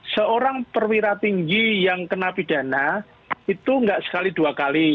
seorang perwira tinggi yang kena pidana itu nggak sekali dua kali